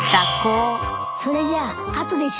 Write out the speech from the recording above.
それじゃあ後で集合ね。